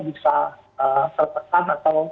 bisa terpekan atau